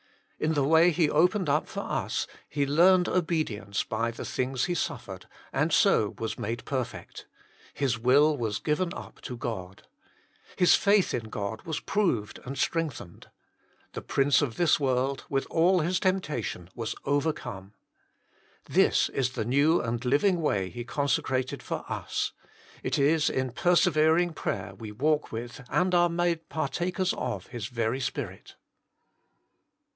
In the way He opened up for us, He learned obedience by the things He suffered, and so was made perfect ; His will was given up to God; His faith in God was proved and strengthened ; the prince of this world, with all his temptation, was overcome. This is the new and living way He consecrated for us ; it is in persevering prayer we walk with and are made partakers of His very Spirit.